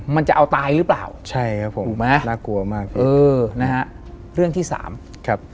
มันจะเอาตายหรือเปล่าใช่ครับผมน่ากลัวมากนะฮะเรื่องที่๓ครับ